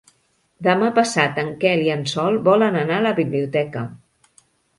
Demà passat en Quel i en Sol volen anar a la biblioteca.